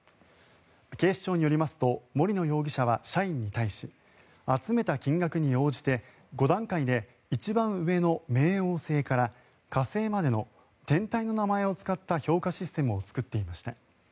警視庁によりますと森野容疑者は社員に対し集めた金額に応じて５段階で一番上の冥王星から火星までの天体の名前を使った評価システムを作っていました。